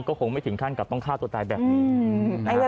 อันนี้ก็คงไม่ถึงขั้นกับต้องฆ่าตัวตายแบบนี้